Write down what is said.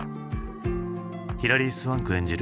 ヒラリー・スワンク演じる